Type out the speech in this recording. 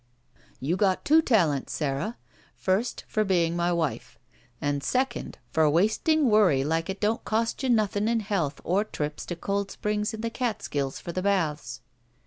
"You got two talents, Sara. Pirst, for being my wife; and second, for wasting worry like it don't cost you nothing in healtii or trips to Cold Springs in the Catsldlls for the baths.